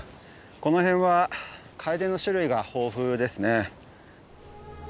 この辺はカエデの種類が豊富ですね。